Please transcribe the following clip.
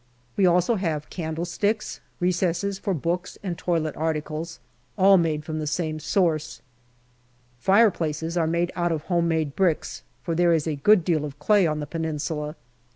We also have candlesticks, recesses for books, and toilet articles, all from the same source. Fire places are made out of home made bricks for there is a good deal of clay on the Peninsula.